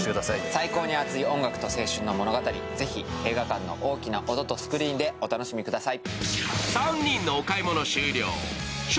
最高の熱い音楽と青春の物語、ぜひ映画館の大きな音とスクリーンでお楽しみください。